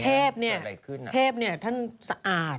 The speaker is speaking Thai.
เทพเนี่ยเทพเนี่ยท่านสะอาด